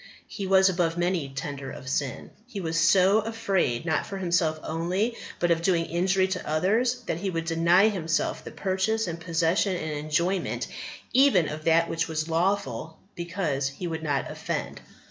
He was above many tender of sin. He was so afraid, not for himself only, but of doing injury to others, that he would deny himself the purchase and possession and enjoyment even of that which was lawful, because he would not offend."